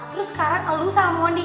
terus sekarang elu sama mondi